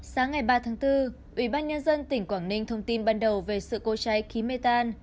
sáng ngày ba tháng bốn ủy ban nhân dân tỉnh quảng ninh thông tin ban đầu về sự cô cháy khí mê tan